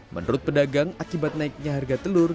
menurut pedagang akibat naiknya harga telur